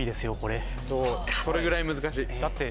・それぐらい難しい？・だって。